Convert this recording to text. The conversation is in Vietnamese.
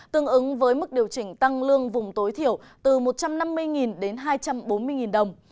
tương ứng với mức điều chỉnh tăng lương vùng tối thiểu từ một trăm năm mươi đến hai trăm bốn mươi đồng